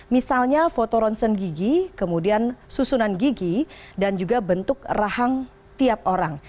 misalnya fotoronsen gigi kemudian susunan gigi dan juga bentuk rahang tiap orang